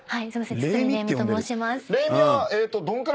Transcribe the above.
堤礼実と申します。